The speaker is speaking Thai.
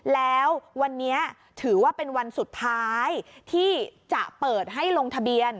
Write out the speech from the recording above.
แล้ววันนี้ถือว่าเป็นวันสุดท้ายที่จะเปิดให้ลงทะเบียน